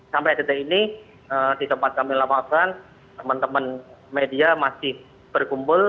sampai detik ini di tempat kami laporkan teman teman media masih berkumpul